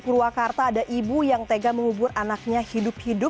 purwakarta ada ibu yang tega mengubur anaknya hidup hidup